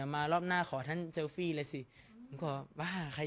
มารอบหน้าขอครั้นเซลฟี่เลยและที่เขาบ้าใคร